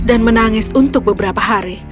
dan menangis untuk beberapa hari